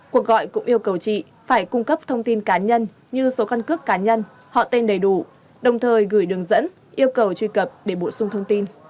cuộc gọi cũng yêu cầu chị phải cung cấp thông tin cá nhân như số căn cước cá nhân họ tên đầy đủ đồng thời gửi đường dẫn yêu cầu truy cập để bổ sung thông tin